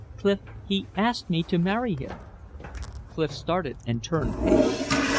Clif, he asked me to marry him." Clif started and turned pale.